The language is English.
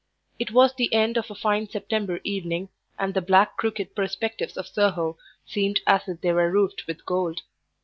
It was the end of a fine September evening, and the black, crooked perspectives of Soho seemed as if they were roofed with gold.